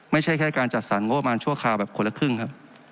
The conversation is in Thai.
ไม่ใช่แค่การจัดสรรงบประมาณชั่วคราวแบบคนละครึ่งครับ